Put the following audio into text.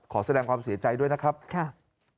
ขอแสดงความเสียใจด้วยนะครับค่ะ